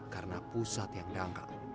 karena pusat yang dangkal